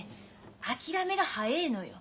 諦めが早えのよ。